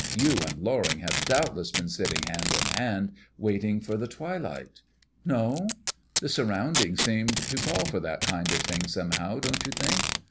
You and Loring have doubtless been sitting hand in hand, waiting for the twilight? No? The surroundings seem to call for that kind of thing somehow, don't you think?"